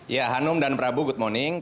ya hanum dan prabu good morning